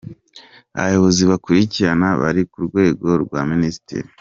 Abayobozi bakurikira bari ku rwego rwa Minisitiri :